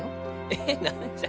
えっ何じゃ？